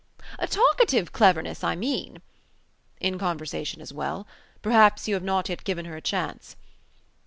"Talkative cleverness, I mean." "In conversation as well. Perhaps you have not yet given her a chance."